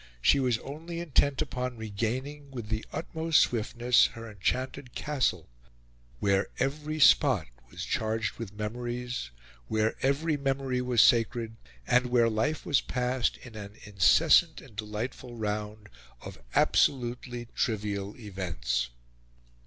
She was only intent upon regaining, with the utmost swiftness, her enchanted Castle, where every spot was charged with memories, where every memory was sacred, and where life was passed in an incessant and delightful round of absolutely trivial events.